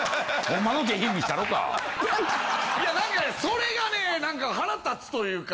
いや何かそれがね何か腹立つというか。